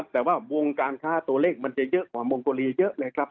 แต่ว่าวงการค้าตัวเลขมันจะเยอะกว่ามงโกรีเยอะเลยครับ